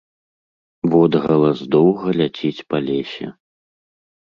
Водгалас доўга ляціць па лесе.